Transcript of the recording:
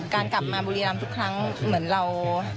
กลับมาบุรีรำทุกครั้งเหมือนเรา